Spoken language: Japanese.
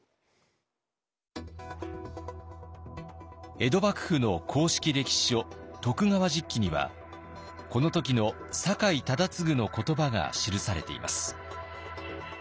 江戸幕府の公式歴史書「徳川実紀」にはこの時の酒井忠次の言葉が記されています。